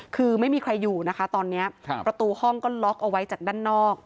คือไม่มีใครอยู่นะคะตอนนี้ประตูห้องก็ล็อกเอาไว้จากด้านนอก